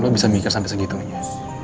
lo bisa mikir sampai segitu aja